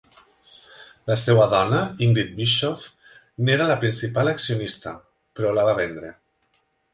La seva dona, Ingrid Bischoff, n'era la principal accionista, però la va vendre.